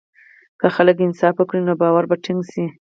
که خلک انصاف وکړي، نو باور به ټینګ شي.